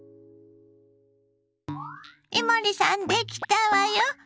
伊守さんできたわよ。